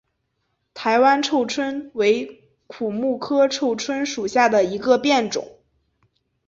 台湾臭椿为苦木科臭椿属下的一个变种。